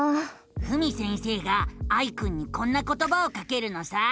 ふみ先生がアイくんにこんなことばをかけるのさ。